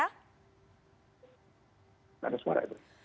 tidak ada suara itu